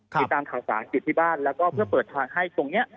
ติดตามข่าวสารอยู่ที่บ้านแล้วก็เพื่อเปิดทางให้ตรงนี้